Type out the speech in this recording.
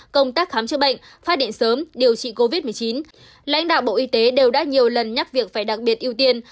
công tác khám chữa bệnh phát hiện sớm điều trị covid một mươi chín lãnh đạo bộ y tế đều đã nhiều lần nhắc việc phải đặc biệt ưu tiên